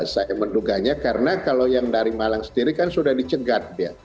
saya menduganya karena kalau yang dari malang sendiri kan sudah dicegat